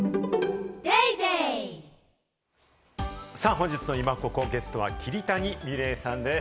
本日のイマココ、ゲストは桐谷美玲さんです。